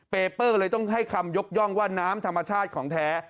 เปเปอร์เลยต้องให้คำยกย่องว่าน้ำธรรมชาติของแท้